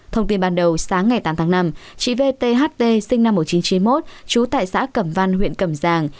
thông tin ban đầu sáng ngày tám tháng năm chị v t h t sinh năm một nghìn chín trăm chín mươi một chú tại xã cẩm văn huyện cẩm giang